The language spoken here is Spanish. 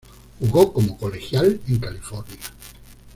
Jugo como colegial en California.